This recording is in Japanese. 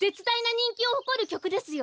にんきをほこるきょくですよ！？